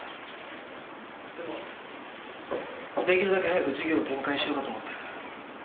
でも出来るだけ早く事業を展開しようかと思ってる。